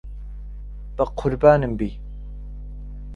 بەقوربانم بی.